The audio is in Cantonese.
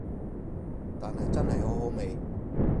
但係真係好好味